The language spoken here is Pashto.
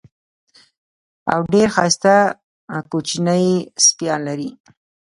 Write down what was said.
او ډېر ښایسته کوچني سپیان لري.